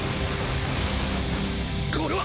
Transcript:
これは！？